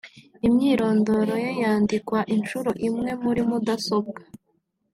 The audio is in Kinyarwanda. imyirondoro ye yandikwa inshuro imwe muri mudasobwa